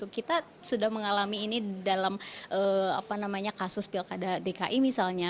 kita sudah mengalami ini dalam kasus pilkada dki misalnya